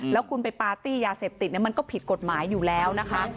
แล้วคุณไปปาร์ตี้ยาเสพติดมันก็ผิดกฎหมายอยู่แล้วนะคะ